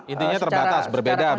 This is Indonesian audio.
intinya terbatas berbeda begitu ya